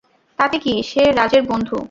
তাতে কি, সে রাজের বন্ধু।